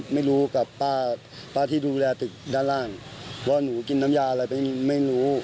ไม่รู้กับป้าป้าที่ดูแลตึกด้านล่างว่าหนูกินน้ำยาอะไรไม่รู้